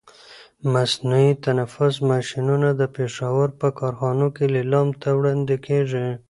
مصنوعي تنفس ماشینونه د پښاور په کارخانو کې لیلام ته وړاندې کېږي.